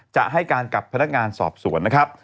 จะให้การกับพนักงานสอบสวนนะครับ